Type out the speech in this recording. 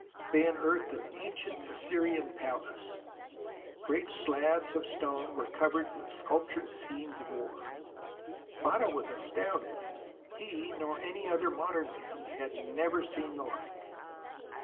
They unearthed an ancient Assyrian palace. Great slabs of stone were covered THE ROMANCE OF EXCAVATION 127 with sculptured scenes of war. Botta was as tounded. He, nor any other modern man, had never seen the hke.